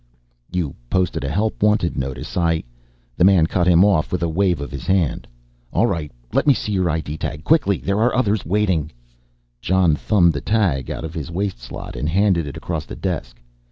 "You posted a help wanted notice, I " The man cut him off with a wave of his hand. "All right let me see your ID tag ... quickly, there are others waiting." Jon thumbed the tag out of his waist slot and handed it across the desk.